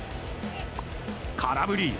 空振り。